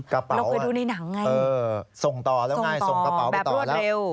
กระเป๋าอ่ะเออส่งต่อแล้วไงส่งกระเป๋าไปต่อแล้วแบบรวดเร็ว